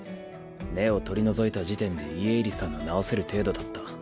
根を取り除いた時点で家入さんの治せる程度だった。